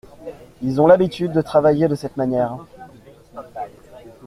Ils ont l’habitude de travailler de cette manière.